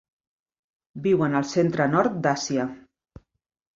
Viuen al centre-nord d'Àsia.